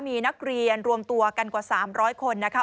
มีนักเรียนรวมตัวกันกว่า๓๐๐คนนะคะ